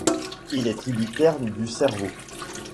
Il est tributaire du Cervo.